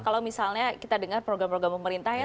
kalau misalnya kita dengar program program pemerintah ya